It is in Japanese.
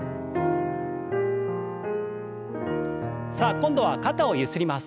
さあ今度は肩をゆすります。